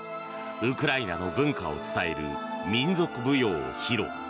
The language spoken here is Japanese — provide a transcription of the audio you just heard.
ウクライナの文化を伝える民族舞踊を披露。